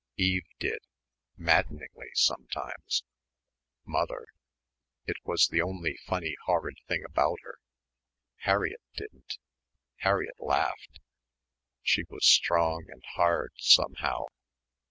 Eve did ... maddeningly sometimes ... Mother ... it was the only funny horrid thing about her. Harriett didn't.... Harriett laughed. She was strong and hard somehow....